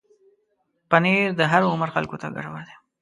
پنېر د هر عمر خلکو ته ګټور دی.